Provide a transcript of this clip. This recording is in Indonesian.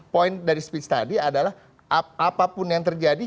poin dari speech tadi adalah apapun yang terjadi